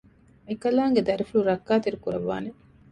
އެކަލާނގެ ދަރިފުޅު ރައްކާތެރި ކުރައްވާނެ